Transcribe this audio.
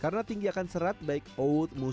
karena tinggi akan serat baik oat muesli dan biji bijian